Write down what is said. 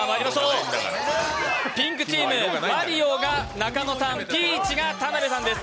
ピンクチームマリオが中野さんピーチが田辺さんです。